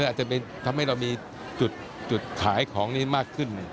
อาจจะทำให้เรามีจุดขายของนี้มากขึ้น